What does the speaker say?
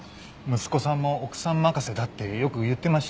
息子さんも奥さん任せだってよく言ってましたよね。